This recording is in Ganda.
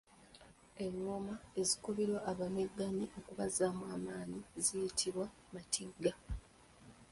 Engoma ezikubirwa abamegganyi okubazzaamu amaanyi ziyitibwa matigga.